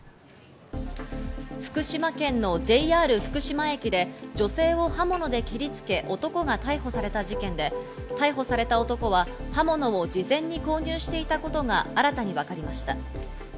福島県のＪＲ福島駅で女性を刃物で切りつけ、男が逮捕された事件で、逮捕された男は刃物を事前に購入していたことが新たに分かりました。